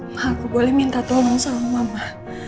maaf aku boleh minta tolong sama mama